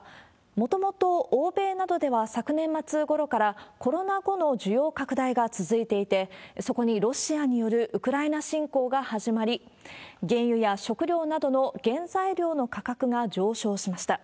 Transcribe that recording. もともと欧米などでは昨年末ごろから、コロナ後の需要拡大が続いていて、そこにロシアによるウクライナ侵攻が始まり、原油や食料などの原材料の価格が上昇しました。